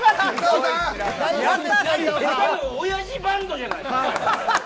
おやじバンドじゃないですか。